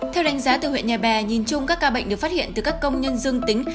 theo đánh giá từ huyện nhà bè nhìn chung các ca bệnh được phát hiện từ các công nhân dương tính